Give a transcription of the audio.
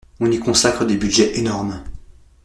On y consacre des budgets énormes.